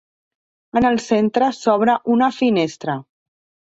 En el centre s'obre una finestra.